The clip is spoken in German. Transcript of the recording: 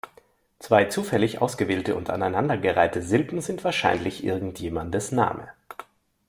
Zwei zufällig ausgewählte und aneinandergereihte Silben sind wahrscheinlich irgendjemandes Name.